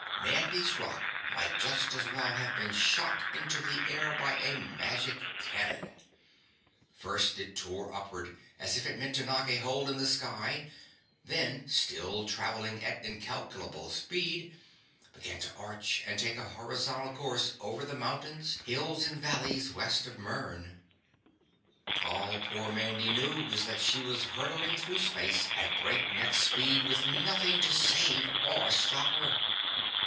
Mandy's rock might just as well have been shot into the air by a magic cannon. First it tore upward as if it meant to knock a hole in the sky, then, still travelling at incalculable speed, began to arch and take a horizontal course over the mountains, hills and valleys west of Mern. All poor Mandy knew was that she was hurtling through space at break neck speed with nothing to save or stop her.